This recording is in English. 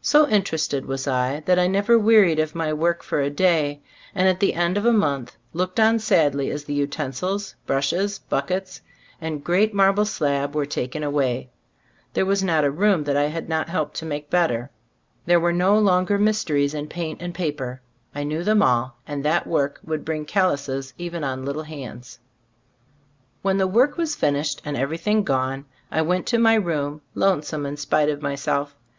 So interested was I, that I never wearied of my work for a day, and at the end of a month looked on sadly as the utensils, brushes, buck ets and great marble slab were taken away. There was not a room that I had not helped to make better; there Cbe Store of Ac Cbil&boo& 53 were no longer mysteries in paint and paper. I knew them all, and that work would bring callouses even on little hands. When the work was finished and everything gone, I went to my room, lonesome in spite of myself.